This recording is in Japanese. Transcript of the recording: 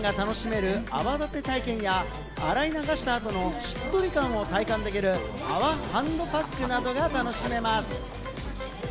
赤箱のふわふわ感が楽しめる泡だて体験や、洗い流した後のしっとり感を体感できる泡ハンドパックなどが楽しめます。